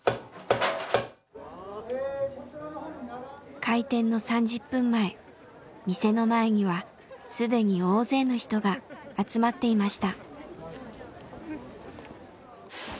開店の３０分前店の前には既に大勢の人が集まっていました。